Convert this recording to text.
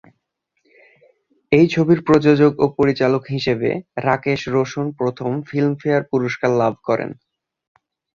এই ছবির প্রযোজক ও পরিচালক হিসেবে রাকেশ রোশন প্রথম ফিল্মফেয়ার পুরস্কার লাভ করেন।